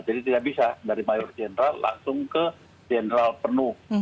jadi tidak bisa dari mayor general langsung ke general penuh